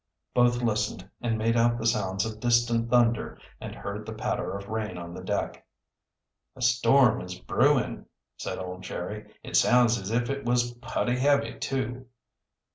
Both listened, and made out the sounds of distant thunder and heard the patter of rain on the deck. "A storm is brewing," said old Jerry. "It sounds as if it was putty heavy, too."